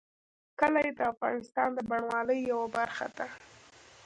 کلي د افغانستان د بڼوالۍ یوه برخه ده.